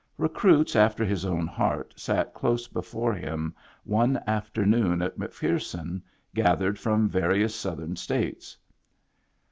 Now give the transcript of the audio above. Recruits after his own heart sat close before him one afternoon at McPherson, gathered from vari ous Southern States.